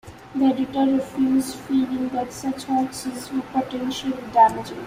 The editor refused, feeling that such hoaxes were potentially damaging.